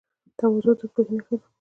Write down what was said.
تواضع د پوهې نښه ده.